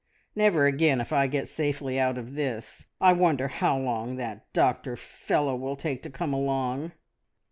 Never again, if I get safely out of this! I wonder how long that doctor fellow will take to come along?"